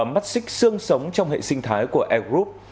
mắc xích sương sống trong hệ sinh thái của air group